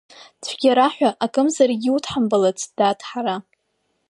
Цәгьара ҳәа акымзаракгьы удҳамбалацт, дад, ҳара…